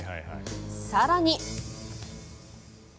更に。